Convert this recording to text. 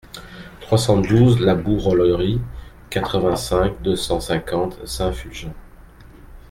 trois cent douze la Bourolerie, quatre-vingt-cinq, deux cent cinquante, Saint-Fulgent